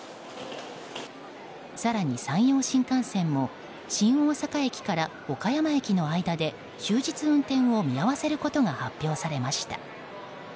更に、山陽新幹線も新大阪駅から岡山駅の間で終日運転を見合わせることが発表されました。